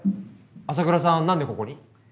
麻倉さんなんでここに？